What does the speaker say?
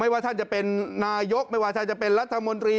ว่าท่านจะเป็นนายกไม่ว่าท่านจะเป็นรัฐมนตรี